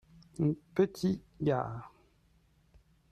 une petie gare.